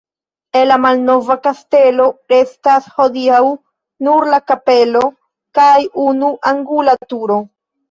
El la malnova kastelo restas hodiaŭ nur la kapelo kaj unu angula turo.